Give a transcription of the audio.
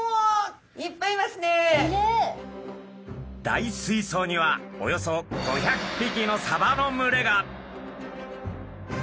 大水槽にはおよそ５００匹のサバの群れが。